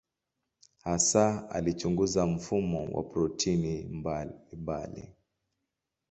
Hasa alichunguza mfumo wa protini mbalimbali.